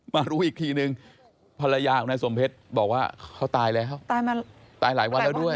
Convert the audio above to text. มารู้อีกทีนึงภรรยาของนายสมเพชรบอกว่าเขาตายแล้วตายมาตายหลายวันแล้วด้วย